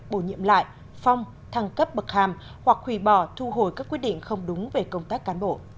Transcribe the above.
bổ nhiệm lại phong thăng cấp bậc hàm hoặc khủy bỏ thu hồi các quyết định không đúng về công tác cán bộ